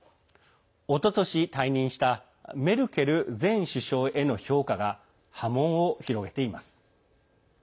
おととし退任したメルケル前首相への評価が波紋を広げています。